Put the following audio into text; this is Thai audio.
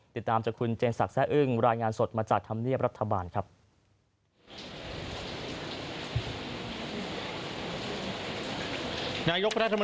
ติดตามจากคุณเจนสักแร่อึ้งรายงานสดมาจากธรรมเนียบรัฐบาลครับ